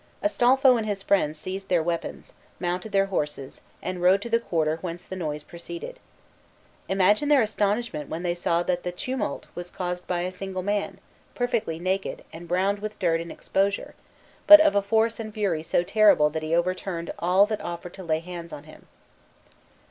Astolpho and his friends seized their weapons, mounted their horses, and rode to the quarter whence the noise proceeded. Imagine their astonishment when they saw that the tumult was caused by a single man, perfectly naked, and browned with dirt and exposure, but of a force and fury so terrible that he overturned all that offered to lay hands on him.